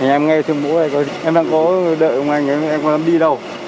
em nghe thương mũ này em đang có đợi ông anh em không dám đi đâu